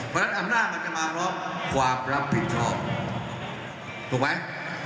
เพราะฉะนั้นอำนาจจะมาตรงตรงความรับผิดพรหมถูกไหม